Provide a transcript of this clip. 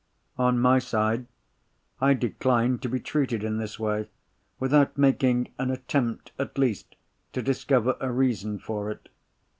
On my side, I declined to be treated in this way, without making an attempt, at least, to discover a reason for it.